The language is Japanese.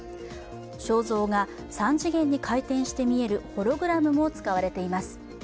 肖像が三次元に回転して見えるホログラムも使われています。